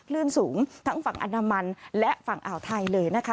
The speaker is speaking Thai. คลื่นสูงทั้งฝั่งอันดามันและฝั่งอ่าวไทยเลยนะคะ